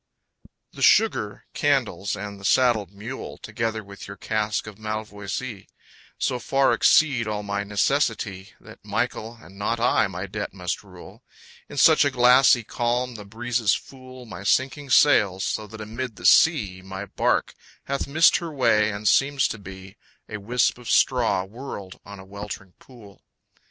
_ The sugar, candles, and the saddled mule, Together with your cask of malvoisie, So far exceed all my necessity That Michael and not I my debt must rule, In such a glassy calm the breezes fool My sinking sails, so that amid the sea My bark hath missed her way, and seems to be A wisp of straw whirled on a weltering pool.